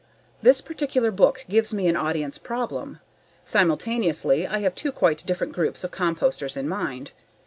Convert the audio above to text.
This particular book gives me an audience problem. Simultaneously I have two quite different groups of composters in mind.